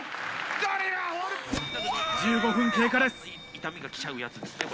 １５分経過です